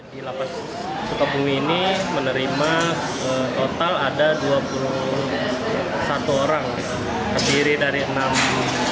di lapas sukabumi ini menerima total ada dua puluh satu orang